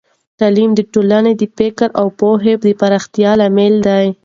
تعليم د ټولنې د فکر او پوهه د پراختیا لامل دی.